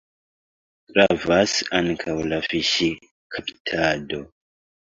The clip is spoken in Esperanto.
Gravas ankaŭ la fiŝkaptado.